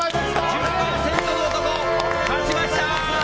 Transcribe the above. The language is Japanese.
１０％の男、勝ちました！